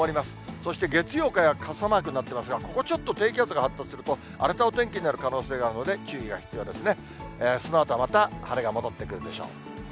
そして月曜、火曜は傘マークになっていますが、ここちょっと低気圧が発達すると荒れたお天気になる可能性があるので、注意が必要ですね。